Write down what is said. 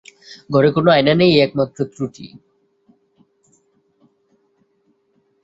ঘরে কোনো আয়না নেই-এই একমাত্র ত্রুটি।